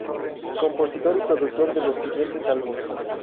Compositor y productor de los siguientes albums